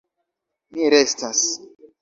Mi restas!